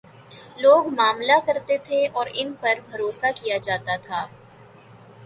لوگ معاملہ کرتے تھے اور ان پر بھروسہ کیا جا تا تھا۔